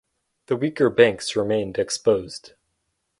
The weaker banks remained exposed.